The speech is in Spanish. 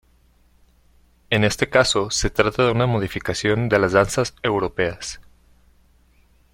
En este caso se trata de una modificación de las danzas europeas.